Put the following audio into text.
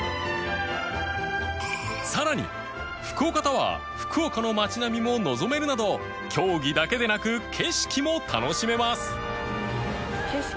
さらに福岡タワー福岡の街並みも望めるなど競技だけでなく景色も楽しめます